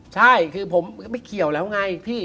ใช่คือผมก็ไม่เกี่ยวแล้วไงพี่